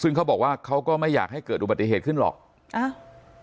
ซึ่งเขาบอกว่าเขาก็ไม่อยากให้เกิดอุบัติเหตุขึ้นหรอกอ้าว